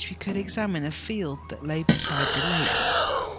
we could examine a field that lay beside the lake.